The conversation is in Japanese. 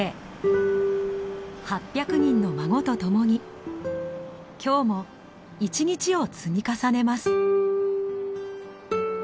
８００人の孫と共に今日も一日を積み重ねます。